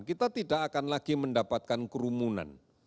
kita tidak akan lagi mendapatkan kerumunan